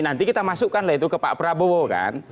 nanti kita masukkan lah itu ke pak prabowo kan